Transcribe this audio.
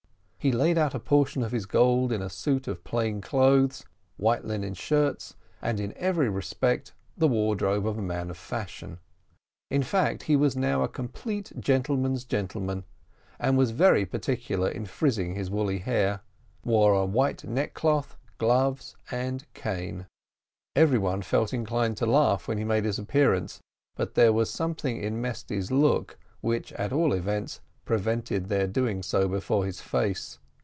He laid out a portion of his gold in a suit of plain clothes, white linen shirts, and in every respect the wardrobe of a man of fashion; in fact, he was now a complete gentleman's gentleman; was very particular in frizzing his woolly hair wore a white neckcloth, gloves, and cane. Every one felt inclined to laugh when he made his appearance; but there was some in Mesty's look, which, at all events, prevented their doing so before his face.